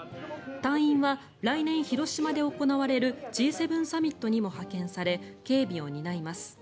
隊員は来年広島で行われるＧ７サミットにも派遣され警備を担います。